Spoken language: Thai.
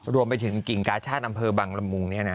รวมไปถึงกิ่งกาชาติดำเภอบังรมุงเนี่ยนะ